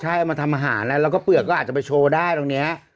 ใช่เอามาทำอาหารแล้วแล้วก็เปลือกก็อาจจะไปโชว์ได้ตรงนี้